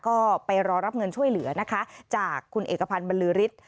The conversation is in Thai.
ก็ไปรอรับเงินช่วยเหลือนะคะจากคุณเอกพันธ์บรรลือฤทธิ์